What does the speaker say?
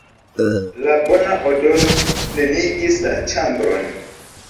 La bona odoro plenigis la ĉambron.